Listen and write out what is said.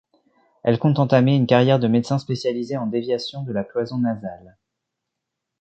Elle compte entamer une carrière de médecin spécialisé en déviation de la cloison nasale.